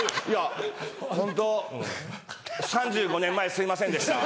ホント３５年前すいませんでした。